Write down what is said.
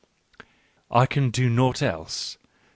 ... I can do nought else.